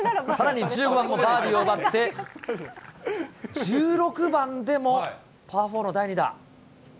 さらに１５番もバーディーを奪って、１６番でもパー４の第２打。